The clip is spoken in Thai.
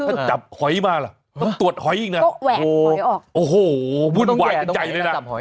ถ้าจับหอยมาล่ะตรวจหอยอีกน่ะก็แหวะหอยออกโอ้โหวุ่นวายกันใหญ่เลยน่ะ